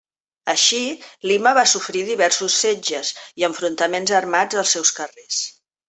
Així, Lima va sofrir diversos setges i enfrontaments armats als seus carrers.